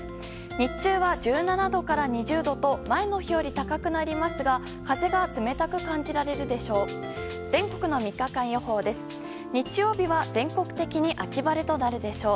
日中は１７度から２０度と前の日より高くなりますが風が冷たく感じられるでしょう。